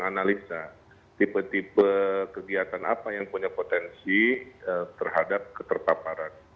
analisa tipe tipe kegiatan apa yang punya potensi terhadap keterpaparan